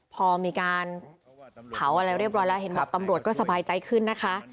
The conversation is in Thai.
พอมีการเผาอะไรเรียบร้อยแล้วเห็นแบบตำรวจก็สบายใจขึ้นนะคะ